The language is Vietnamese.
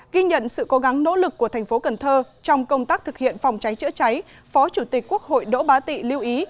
ghi nhận sự cố gắng nỗ lực của thành phố cần thơ trong công tác thực hiện phòng cháy chữa cháy phó chủ tịch quốc hội đỗ bá tị lưu ý